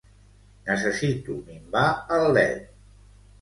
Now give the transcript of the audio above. Necessito minvar el led.